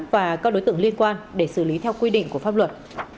và các đối tượng liên quan để xử lý theo quy định của pháp luật